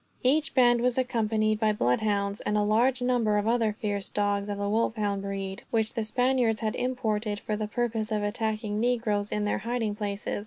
Each band was accompanied by bloodhounds, and a large number of other fierce dogs of the wolfhound breed, which the Spaniards had imported for the purpose of attacking negroes in their hiding places.